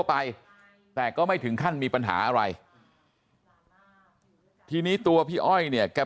ไปแต่ก็ไม่ถึงขั้นมีปัญหาอะไรทีนี้ตัวพี่อ้อยเนี่ยแก